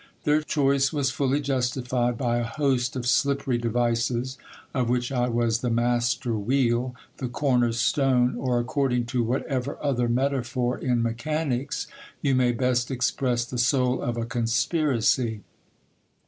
Their choice was fully justified by a host of slippery devices, of which I was the master wheel, the comer stone, or according to GIL BLAS. whatever other metaphor in mechanics you may best express the soul of a con spiracy.